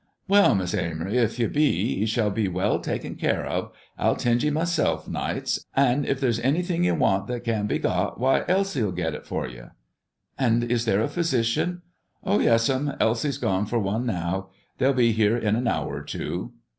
"Well, Miss Amory, 'f you be, you shall be well taken care of. I'll tend ye myself, nights; and if there's anything you want that can be got, why, Elsie'll get it for ye." "And is there a physician?" "Oh, yes'm; Elsie's gone for one now. They'll be here in an hour or two."